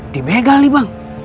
di begal nih bang